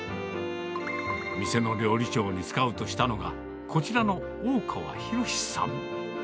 店の料理長にスカウトしたのが、こちらの大川博さん。